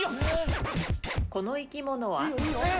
この生き物は？えっ？